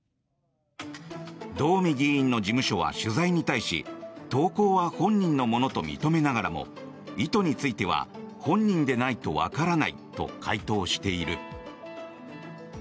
道見議員の事務所は取材に対し投稿は本人のものと認めながらも意図については本人でないとわからないと回答している。